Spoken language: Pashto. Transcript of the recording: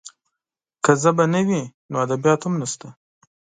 که ژبه نه وي، نو ادبیات هم نشته.